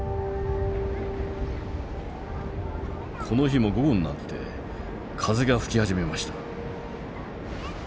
この日も午後になって風が吹き始めました。